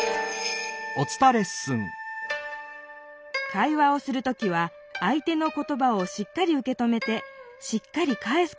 会話をする時はあい手のことばをしっかりうけ止めてしっかりかえすことが大切。